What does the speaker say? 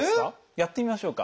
やってみましょうか。